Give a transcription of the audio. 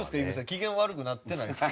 機嫌悪くなってないですか？